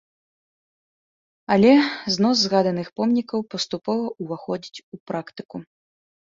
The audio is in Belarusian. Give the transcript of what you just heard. Але знос згаданых помнікаў паступова ўваходзіць у практыку.